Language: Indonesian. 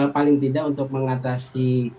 paling tidak untuk mengatasi